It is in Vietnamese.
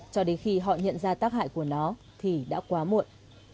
cho đến khi họ nhận ra tác hại của nó thì đã quá muộn